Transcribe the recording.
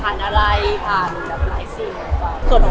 คงเป็นแบบเรื่องปกติที่แบบ